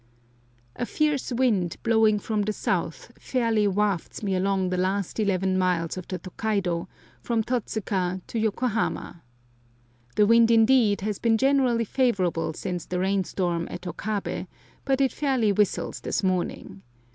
A fierce wind, blowing from the south, fairly wafts me along the last eleven miles of the Tokaido, from Totsuka to Yokohama. The wind, indeed, has been generally favorable since the rain storm at Okabe, but it fairly whistles this morning.